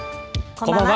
こんばんは。